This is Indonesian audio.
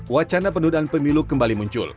wacana pendudukan pemilu kembali muncul